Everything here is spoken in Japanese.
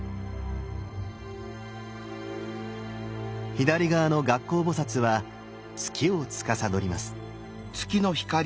左側の月光菩は月をつかさどります。